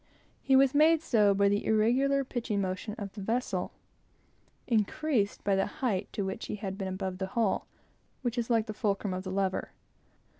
He was made so by the irregular, pitching motion of the vessel, increased by the height to which he had been above the hull, which is like the fulcrum of the lever.